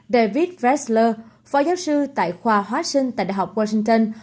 david fresler phó giáo sư tại khoa hóa sinh tại đại học washington